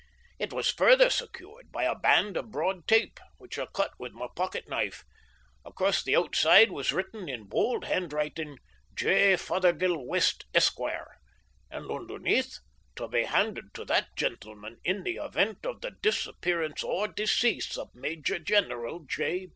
It was further secured by a band of broad tape, which I cut with my pocket knife. Across the outside was written in bold handwriting: "J. Fothergill West, Esq.," and underneath: "To be handed to that gentleman in the event of the disappearance or decease of Major General J.